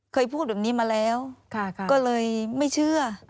เคยพูดแบบนี้มาแล้วก็เลยไม่เชื่อ